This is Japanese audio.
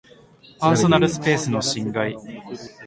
パーソナルスペースの侵害